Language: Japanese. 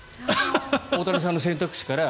大谷さんの選択肢から。